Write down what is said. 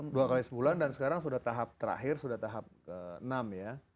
dua kali sebulan dan sekarang sudah tahap terakhir sudah tahap enam ya